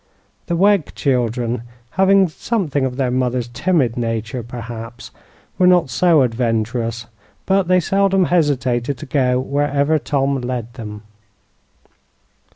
The Wegg children, having something of their mother's timid nature, perhaps, were not so adventurous, but they seldom hesitated to go wherever Tom led them.